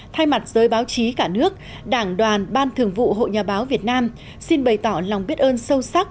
thay mặt giới báo chí cả nước đảng đoàn ban thường vụ hội nhà báo việt nam xin bày tỏ lòng biết ơn sâu sắc